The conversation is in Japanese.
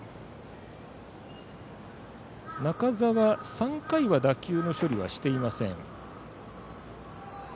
中澤、３回は打球の処理はしていません。